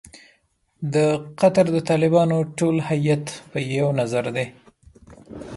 د قطر د طالبانو ټول هیات په یوه نظر دی.